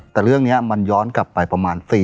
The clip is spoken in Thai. แต่เรื่องนี้มันย้อนกลับไปประมาณ